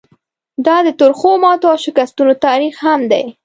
دا د ترخو ماتو او شکستونو تاریخ هم دی.